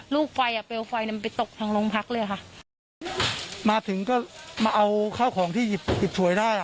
ลูกไฟอ่ะเปลวไฟเนี้ยมันไปตกทางโรงพักเลยค่ะมาถึงก็มาเอาข้าวของที่หยิบหยิบฉวยได้อ่ะ